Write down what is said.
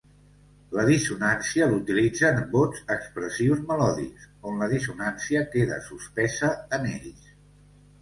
La dissonància l'utilitza en bots expressius melòdics, on la dissonància queda suspesa en ells.